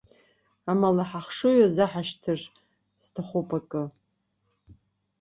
Амала, ҳахшыҩ азаҳашьҭыр сҭахуп акы.